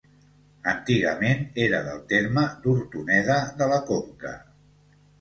Antigament era del terme d'Hortoneda de la Conca.